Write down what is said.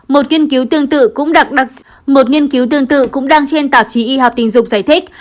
một nghiên cứu tương tự cũng đăng trên tạp chí y học tình dục giải thích